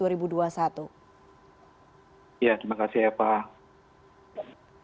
ya terima kasih ya pak